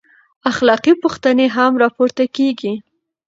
اخلاقي پوښتنې هم راپورته کېږي.